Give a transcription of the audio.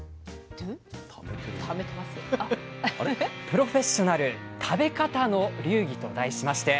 「プロフェッショナル食べ方の流儀」と題しまして。